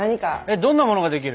どんなものができる？